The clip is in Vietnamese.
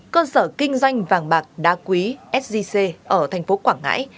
cơ sở kinh doanh vàng bạc đá quý sgc ở thành phố quảng ngãi